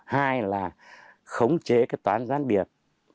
hai là khống chế toán gián biệt